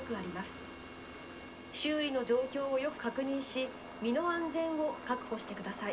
周囲の状況をよく確認し身の安全を確保してください」。